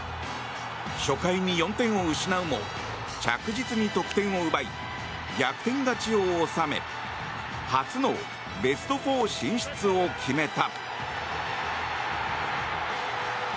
初回に４点を失うも着実に得点を奪い逆転勝ちを収め初のベスト４進出を決めた。